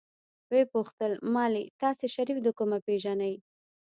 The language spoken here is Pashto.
ويې پوښتل مالې تاسې شريف د کومه پېژنئ.